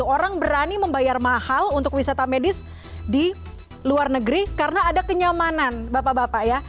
orang berani membayar mahal untuk wisata medis di luar negeri karena ada kenyamanan bapak bapak ya